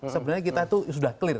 sebenarnya kita itu sudah clear